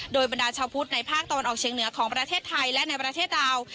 โดยบรรดาชาวพุทธในภาคตะวันออกเชียงเหนือของประเทศไทยและในประเทศลาว